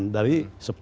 sembilan dari sepuluh